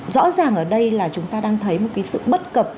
rõ ràng ở đây là chúng ta đang thấy một cái sự bất cập